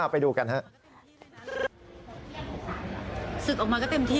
ไปดูกันนะครับ